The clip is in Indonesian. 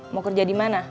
mau kerja di mana